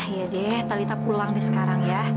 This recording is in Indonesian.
ya deh lalita pulang deh sekarang ya